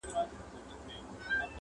رند به په لاسو کي پیاله نه لري -